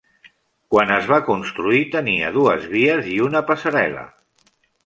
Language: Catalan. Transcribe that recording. Quan es va construir tenia dues vies i una passarel·la.